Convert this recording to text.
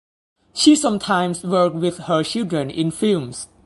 She sometimes worked with her children in films.